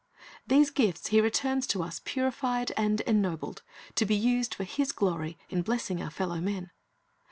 These gifts He returns to us purified and ennobled, to be used for His glory in blessing our fellow men.